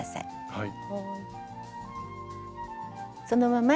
はい。